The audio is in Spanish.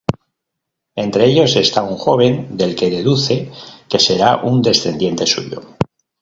Entre ellos está un joven, del que deduce que será un descendiente suyo.